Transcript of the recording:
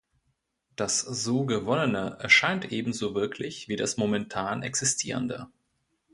Das so Gewonnene erscheint ebenso wirklich wie das momentan Existierende.